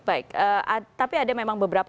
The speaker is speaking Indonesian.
baik tapi ada memang beberapa